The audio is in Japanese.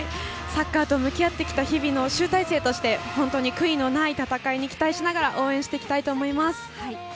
サッカーと向き合ってきた日々の集大成として本当に悔いのない戦いに期待しながら応援していきたいと思います。